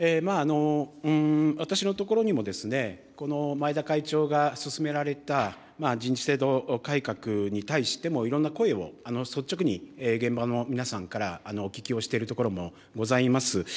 私のところにも、この前田会長が進められた人事制度改革に対しても、いろんな声を率直に現場の皆さんからお聞きをしているところもございます。